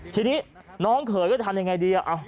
ทีนี้น้องเขยก็จะทำยังไงดี